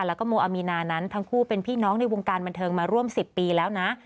แล้วก็โมอามีนานั้นทั้งคู่เป็นพี่น้องในวงการบันเทิงมาร่วม๑๐ปีแล้วนะ